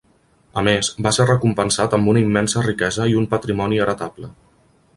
A més, va ser recompensat amb una immensa riquesa i un patrimoni heretable.